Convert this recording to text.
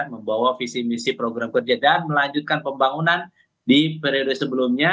membawa visi misi program kerja dan melanjutkan pembangunan di periode sebelumnya